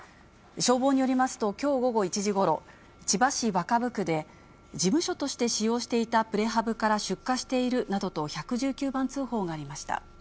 消防によりますと、きょう午後１時ごろ、千葉市若葉区で、事務所として使用していたプレハブから出火しているなどと１１９番通報がありました。